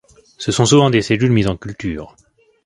Ce sont souvent des cellules mises en cultures.